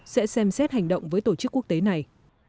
sẽ xem xét hành động với tổ chức quốc tế này